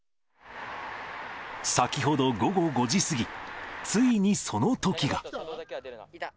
先ほど午後５時過ぎ、ついにそのときが。